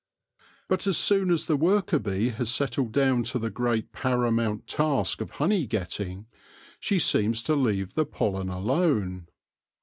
But as soon as the worker bee has settled down to the great paramount task of honey getting, she seems to leave the pollen alone.